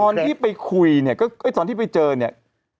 ตอนที่ไปคุยเนี่ยก็ตอนที่ไปเจอเนี่ย